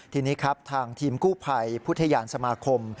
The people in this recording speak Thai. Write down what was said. ทีนี้ครับทางทีมกู้ภัยพุทธยานสมาคม